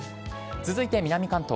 続いて南関東。